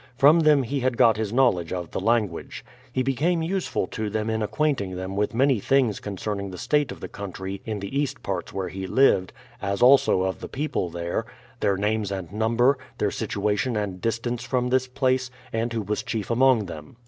From them he had got his knowledge of the language. He became useful to them in acquainting them with many things concerning the state of the country in the east parts where he lived, as also of the people there, their names and num ber, their situation and distance from this place, and who was chief among them.